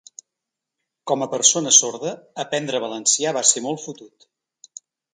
Com a persona sorda, aprendre valencià va ser molt fotut.